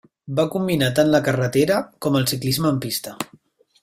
Va combinar tant la carretera com el ciclisme en pista.